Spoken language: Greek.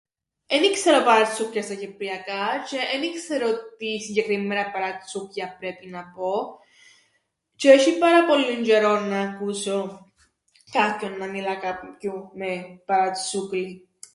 Εν ι-ξέρω παρατσούκλια στα κυπριακά, τζ̆αι εν ι-ξέρω τι συγκεκριμμένα παρατσούκλια πρέπει να πω, τζ̆αι έσ̆ει πάρα πολλύν τζ̆αιρόν να ακούσω κάποιον να μιλά κάποιου με παρατσο΄υκλιν.